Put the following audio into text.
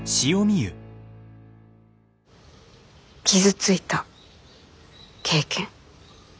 傷ついた経験。